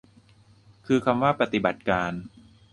คือคำว่า ปฏิบัติการ